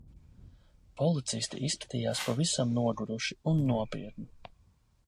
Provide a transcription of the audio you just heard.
Policisti izskatījās pavisam noguruši un nopietni.